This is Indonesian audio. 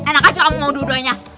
enak aja kamu mau dua duanya